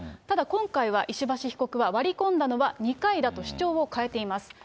ただ、今回は石橋被告は、割り込んだのは２回だと主張を変えています。